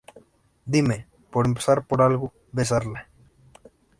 dime. por empezar por algo, besarla.